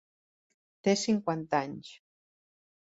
Té cinquanta anys.